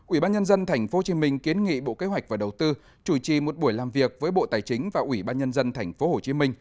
ủy ban nhân dân tp hcm kiến nghị bộ kế hoạch và đầu tư chủ trì một buổi làm việc với bộ tài chính và ủy ban nhân dân tp hcm